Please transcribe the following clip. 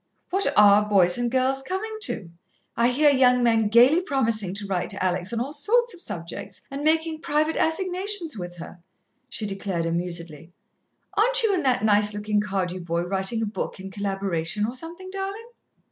"What are boys and girls coming to? I hear young men gaily promisin' to write to Alex on all sorts of subjects, and making private assignations with her," she declared amusedly. "Aren't you and that nice looking Cardew boy writin' a book in collaboration, or something, darling?"